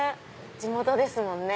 地元ですもんね。